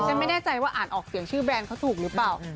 ไม่แน่ใจว่าอ่านออกเสียงชื่อแบรนด์เขาถูกหรือเปล่า